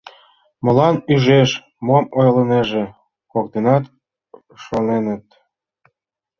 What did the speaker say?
«Молан ӱжеш?» «Мом ойлынеже?..» — коктынат шоненыт.